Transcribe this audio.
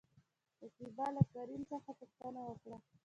شکيبا له کريم څخه پوښتنه وکړه ؟